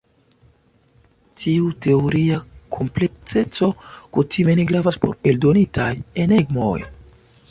Tiu teoria komplekseco kutime ne gravas por eldonitaj enigmoj.